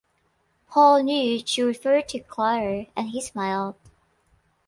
Paul knew she referred to Clara, and he smiled.